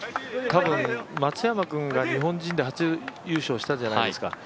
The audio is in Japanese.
多分、松山君が日本人で初優勝したじゃないですか。